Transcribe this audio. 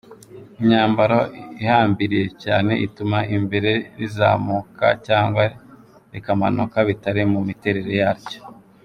Imyambaro ihambiriye cyane ituma ibere rizamuka cyangwa rikamanuka bitari mu miterere yaryo.